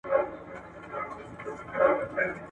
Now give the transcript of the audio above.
یو وزر نه دی چي سوځي بې حسابه درته ګوري ,